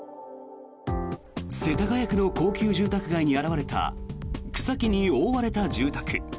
世田谷区の高級住宅街に現れた草木に覆われた住宅。